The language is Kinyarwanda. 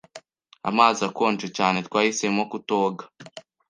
Amazi akonje cyane, twahisemo kutoga.